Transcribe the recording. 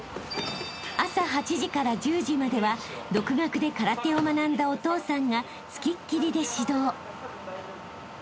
［朝８時から１０時までは独学で空手を学んだお父さんが付きっきりで指導］